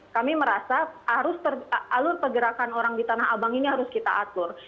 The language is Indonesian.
kami merasa alur pergerakan orang di tanah abang ini harus kita atur